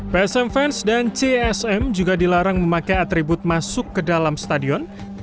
psm fans dan csm juga dilarang memakai atribut masuk ke dalam stadion